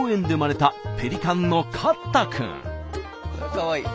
かわいい。